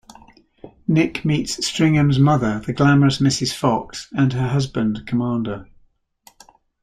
Nick meets Stringham's mother, the glamorous Mrs Foxe, and her husband, Cdr.